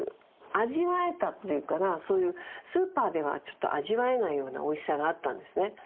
そういうスーパーではちょっと味わえないようなおいしさがあったんですね。